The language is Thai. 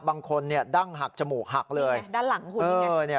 บางคนเนี่ยดั้งหักจมูกหักเลยด้านหลังคุณเออเนี่ย